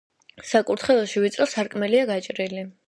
საკურთხეველში ვიწრო სარკმელია გაჭრილი.